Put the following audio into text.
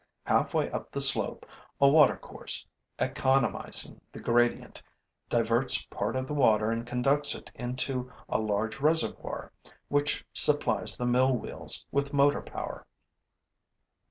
Halfway up the slope, a watercourse, economizing the gradient, diverts part of the water and conducts it into a large reservoir, which supplies the mill wheels with motor power.